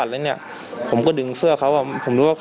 ต่อยอีกต่อยอีกต่อยอีกต่อยอีก